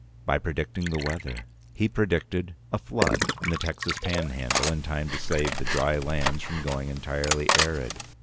By predicting the weather. He predicted: A flood in the Texas panhandle in time to save the dry lands from going entirely arid.